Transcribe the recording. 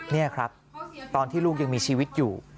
นี่ครับตอนที่ลูกยังมีชีวิตอยู่